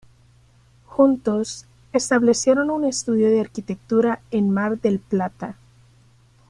Juntos, establecieron un estudio de arquitectura en Mar del Plata.